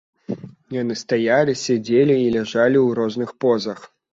Яны стаялі, сядзелі і ляжалі ў розных позах.